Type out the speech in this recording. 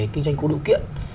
kinh doanh cổ lựu kiện